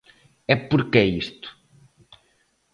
E por que é isto?